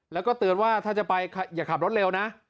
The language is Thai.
แล้วก็เตือนว่าถ้าจะไปอย่าขับรถเร็วนะ